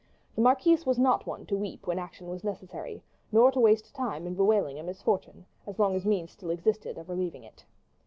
The marquise was not one to weep when action was necessary, nor to waste time in bewailing a misfortune as long as means still existed of relieving it.